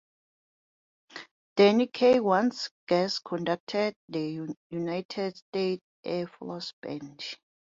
Danny Kaye once guest-conducted the United States Air Force Band.